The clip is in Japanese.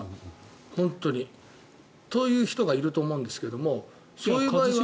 本当に。という人がいると思うんですがそういう人は。